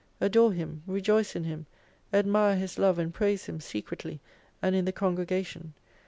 Adore Him, rejoice in Him, admire His love and praise Him, secretly and in the congregation.